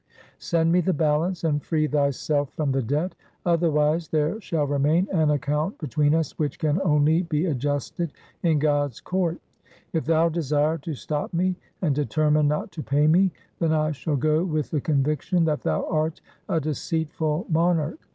Send me the balance and free thyself from the debt ; otherwise there shall remain an account between us which can only be adjusted in God's court. If thou desire to stop me and determine not to pay me, then I shall go with the conviction that thou art a deceitful monarch.